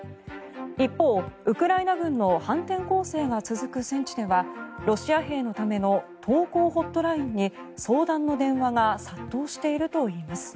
一方、ウクライナ軍の反転攻勢が続く戦地ではロシア兵のための投降ホットラインに相談の電話が殺到しているといいます。